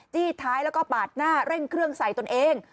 จี้ท้ายและปาดหน้าเร่งเครื่องใสตัวเอง